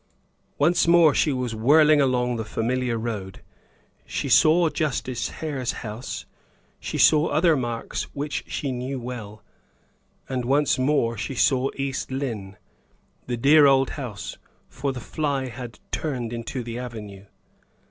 Once more she was whirling along the familiar road. She saw Justice Hare's house, she saw other marks which she knew well; and once more she saw East Lynne, the dear old house, for the fly had turned into the avenue.